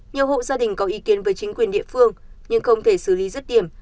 nhiều hộ gia đình có ý kiến với chính quyền địa phương nhưng không thể xử lý rứt điểm